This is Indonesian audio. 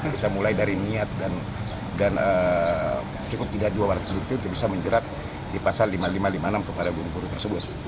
kita mulai dari niat dan cukup tidak dua barang bukti untuk bisa menjerat di pasal lima ribu lima ratus lima puluh enam kepada guru guru tersebut